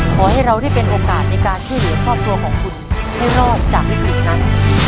ขอให้เราได้เป็นโอกาสในการช่วยเหลือครอบครัวของคุณให้รอดจากวิกฤตนั้น